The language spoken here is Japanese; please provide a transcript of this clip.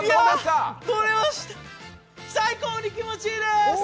最高に気持ちいいです。